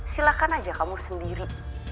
silahkan aja kamu sendiri